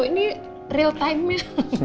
ini real time nya